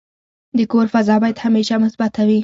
د کور فضا باید همیشه مثبته وي.